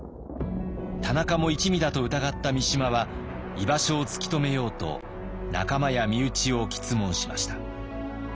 田中も一味だと疑った三島は居場所を突き止めようと仲間や身内を詰問しました。